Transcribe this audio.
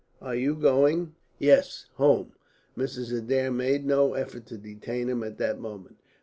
Are you going?" "Yes, home." Mrs. Adair made no effort to detain him at that moment.